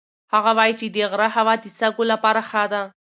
هغه وایي چې د غره هوا د سږو لپاره ښه ده.